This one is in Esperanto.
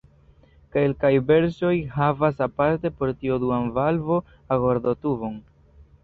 Kelkaj versioj havas aparte por tio duan valvo-agordotubon.